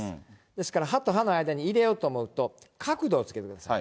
ですから歯と歯の間に入れようと思うと、角度をつけてください。